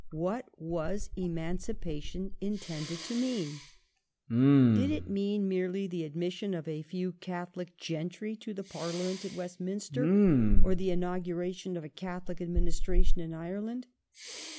What was '* emancipation " intended to mean ? Did it mean merely the admission of a few Catholic gentry to the Parliament at Westminster, or the inauguration of a Catholic administration in Ireland